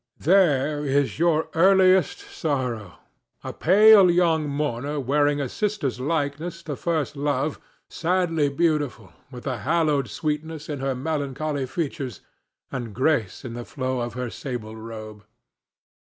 There is your earliest sorrow, a pale young mourner wearing a sister's likeness to first love, sadly beautiful, with a hallowed sweetness in her melancholy features and grace in the flow of her sable robe.